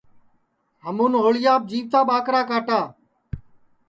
ہمون ہوݪیاپ جیوتا کاٹا